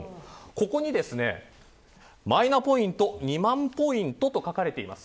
ここに、マイナポイント２００００ポイントと書かれています。